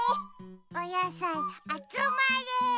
おやさいあつまれ。